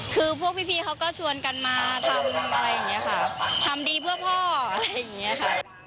คือพวกพี่เขาก็ชวนกันมาทำอะไรอย่างนี้ค่ะทำดีเพื่อพ่ออะไรอย่างนี้ค่ะ